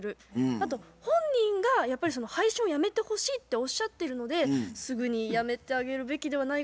あと本人がやっぱりその配信をやめてほしいっておっしゃってるのですぐにやめてあげるべきではないかなと思いますね。